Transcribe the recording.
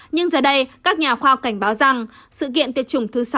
nhưng giờ đây các nhà khoa học cảnh báo rằng sự kiện tuyệt chủng thứ sáu